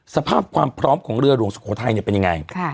สภาพความพร้อมของเรือหลวงสุโขทัยเป็นยังไง